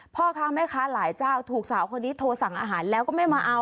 พ่อค้าแม่ค้าหลายเจ้าถูกสาวคนนี้โทรสั่งอาหารแล้วก็ไม่มาเอา